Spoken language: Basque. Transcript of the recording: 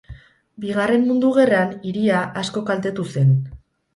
Bigarren Mundu Gerran hiria asko kaltetu zen.